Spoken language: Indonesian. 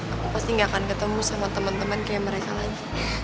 aku pasti gak akan ketemu sama teman teman kayak mereka lagi